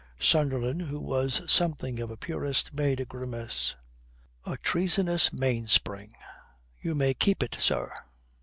Sunderland, who was something of a purist, made a grimace: "A treasonous mainspring! You may keep it, sir."